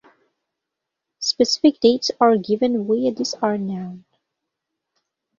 Specific dates are given where these are known.